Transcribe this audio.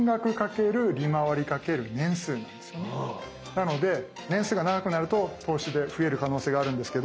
なので年数が長くなると投資で増える可能性があるんですけど。